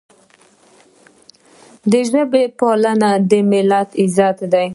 د ژبې پالنه د ملت عزت دی.